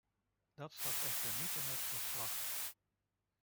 Dat staat echter niet in het verslag.